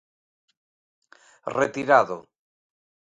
Retirado.